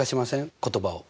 言葉を。